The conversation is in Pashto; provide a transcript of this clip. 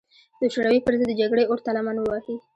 د شوروي پر ضد د جګړې اور ته لمن ووهي.